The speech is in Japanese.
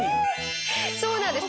そうなんです。